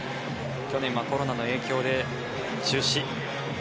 去年はコロナの影響で中止。